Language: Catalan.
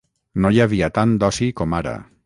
no hi havia tant d'oci com ara